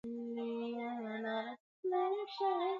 kwani ni juzi tu serikali kenya ilitia sahihi mkataba na mahakama hiyo